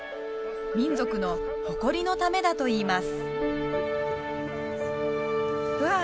民族の誇りのためだと言いますうわっ